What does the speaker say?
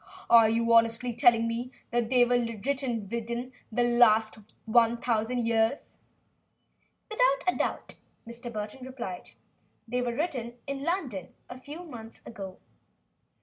Are you honestly telling me that they were written within the last thousand years?" "Without a doubt," Burton replied. "They were written in London, a few months ago." Mr.